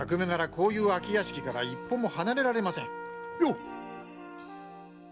こういう空き屋敷から一歩も離れられません。